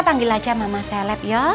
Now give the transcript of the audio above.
panggil aja mama seleb ya